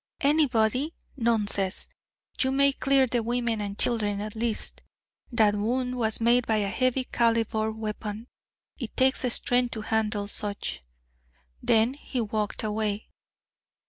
"Anybody! Nonsense. You may clear the women and children at least. That wound was made by a heavy calibre weapon; it takes strength to handle such." Then he walked away.